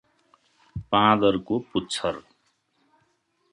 बाँदरको पुच्छर